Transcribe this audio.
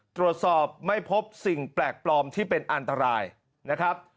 ตรวจสอบไม่พบสิ่งแปลกปลอมที่เป็นอันตรายนะครับ